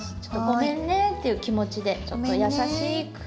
「ごめんね」っていう気持ちでちょっと優しく。